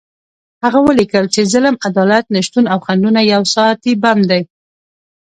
هغه ولیکل چې ظلم، عدالت نشتون او خنډونه یو ساعتي بم دی.